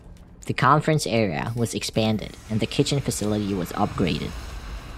The conference area was expanded and the kitchen facility was upgraded.